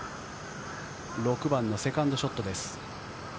６番のセカンドショットです。